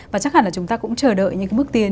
và chắc hẳn là chúng ta cũng chờ đợi những bước tiến